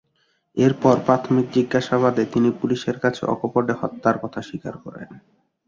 এরপর প্রাথমিক জিজ্ঞাসাবাদে তিনি পুলিশের কাছে অকপটে হত্যার কথা স্বীকার করেন।